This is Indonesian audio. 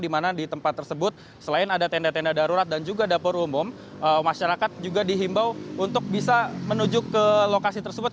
di mana di tempat tersebut selain ada tenda tenda darurat dan juga dapur umum masyarakat juga dihimbau untuk bisa menuju ke lokasi tersebut